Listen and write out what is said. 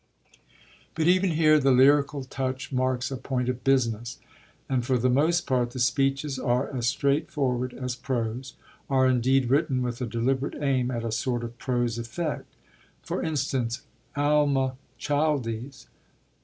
But even here the lyrical touch marks a point of 'business.' And for the most part the speeches are as straightforward as prose; are indeed written with a deliberate aim at a sort of prose effect. For instance: ALMACHILDES.